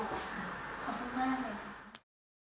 โปรดติดตามตอนต่อไป